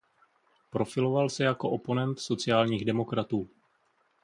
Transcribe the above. Profiloval se jako oponent sociálních demokratů.